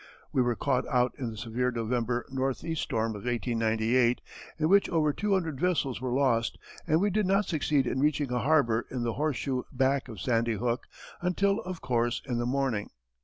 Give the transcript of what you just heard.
We were caught out in the severe November northeast storm of 1898 in which over 200 vessels were lost and we did not succeed in reaching a harbour in the "horseshoe" back of Sandy Hook until, of course, in the morning.